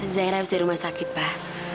zaira bisa di rumah sakit pak